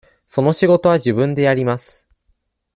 その仕事は自分でやります。